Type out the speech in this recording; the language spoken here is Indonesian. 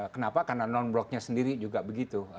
kenapa karena non bloknya sendiri juga begitu